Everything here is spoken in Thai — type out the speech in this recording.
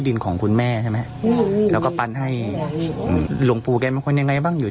ฉันข้าวใครเอาไปข้าวไปให้แก